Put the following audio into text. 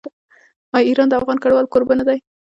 آیا ایران د افغان کډوالو کوربه نه دی؟